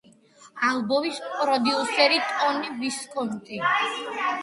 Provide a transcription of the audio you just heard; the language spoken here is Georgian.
ალბომის პროდიუსერია ტონი ვისკონტი.